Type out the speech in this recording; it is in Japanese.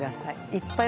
いっぱい。